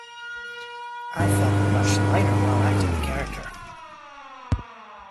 I felt much lighter while acting the character.